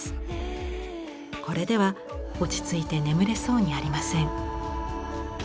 これでは落ち着いて眠れそうにありません。